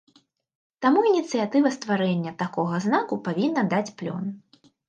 Таму ініцыятыва стварэння такога знаку павінна даць плён.